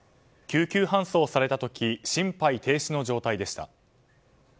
救急搬送された時心肺停止の状態でした。